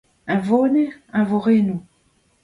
eñvoner, eñvorennoù